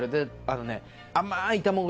あのね。